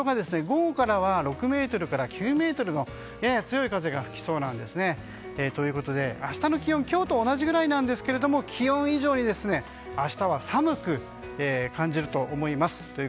ところが、午後からは６メートルから９メートルのやや強い風が吹きそうなんですね。ということで、明日の気温は今日と同じくらいなんですが気温以上に明日は寒く感じると思います。